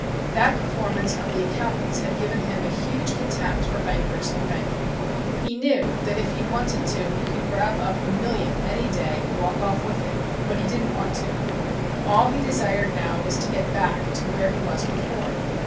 That performance of the accountants had given him a huge contempt for bankers and banking. He knew that if he wanted to he could grab up a million any day and walk off with it, but he didn't want to. All he desired now was to get back to where he was before.